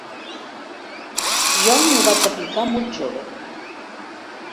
Jo m'ho vaig aplicar molt jove.